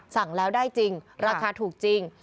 สั่งแล้วได้จริงราคาถูกจริง